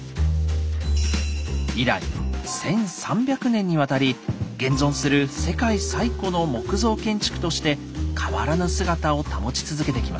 以来１，３００年にわたり現存する世界最古の木造建築として変わらぬ姿を保ち続けてきました。